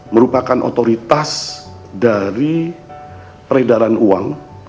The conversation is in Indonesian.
merupakan otoritas dari peredaran uang